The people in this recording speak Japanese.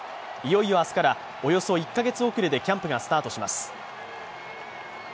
いよいよ明日から、およそ１カ月遅れでキャンプがスタートします。